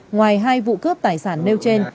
ngoài hai vụ cướp tài sản nêu trên